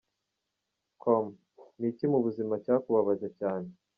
com : Ni iki mu buzima cyakubabaje cyane ?.